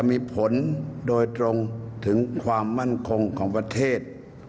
มีผลโดยตรงถึงความมั่นคงของประเทศ